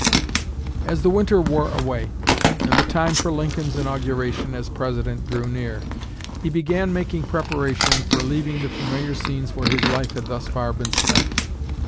As the winter wore away, and the time for Lincoln's inauguration as President drew near, he began making preparation for leaving the familiar scenes where his life had thus far been spent.